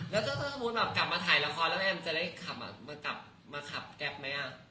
แล้วก็สมมุติกลับมาถ่ายละครแล้วแอมจะได้กลับมาขับแก๊บไหมอ่ะ